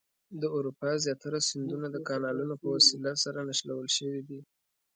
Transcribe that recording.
د اروپا زیاتره سیندونه د کانالونو په وسیله سره نښلول شوي دي.